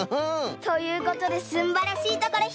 ということですんばらしいところひとつめは。